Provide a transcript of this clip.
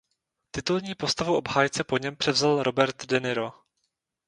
Titulní postavu obhájce po něm převzal Robert De Niro.